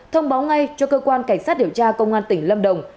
thông báo ngay cho cơ quan cảnh sát điều tra công an tỉnh lâm đồng